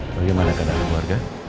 bagaimana keadaan keluarga